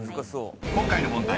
［今回の問題